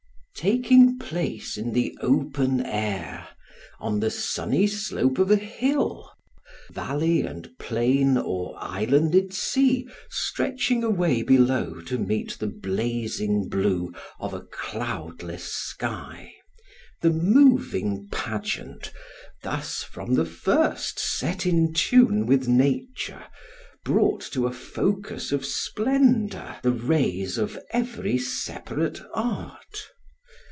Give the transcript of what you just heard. Taking place in the open air, on the sunny slope of a hill, valley and plain or islanded sea stretching away below to meet the blazing blue of a cloudless sky, the moving pageant, thus from the first set in tune with nature, brought to a focus of splendour the rays of every separate art.